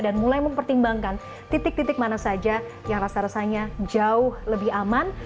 dan mulai mempertimbangkan titik titik mana saja yang rasa rasanya jauh lebih aman